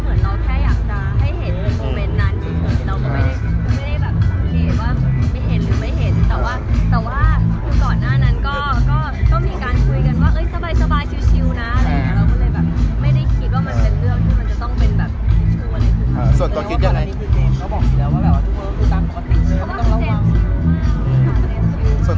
ก็บอกเดียวทุกคนพอเจอก็ไตะเนี้ย